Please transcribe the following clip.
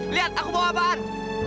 lihat aku bawa bar